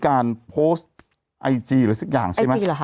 การโพสต์ไอจีหรือสิ่งอย่างใช่ไหมอ่ะอ่า